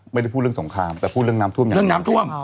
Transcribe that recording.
ไม่ได้พูดเรื่องสงครามแต่พูดเรื่องน้ำท่วมอย่างนี้